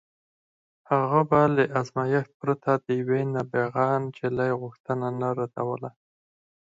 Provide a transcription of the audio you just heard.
هغه به له ازمایښت پرته د یوې نابغه نجلۍ غوښتنه نه ردوله